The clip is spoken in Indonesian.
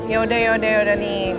yaudah yaudah yaudah nih